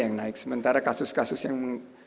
yang naik sementara kasus kasus yang